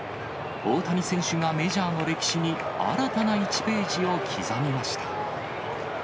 大谷選手がメジャーの歴史に、新たな１ページを刻みました。